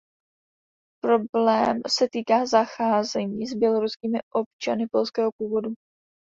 Problém se týká zacházení s běloruskými občany polského původu.